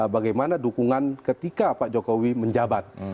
bagaimana dukungan ketika pak jokowi menjabat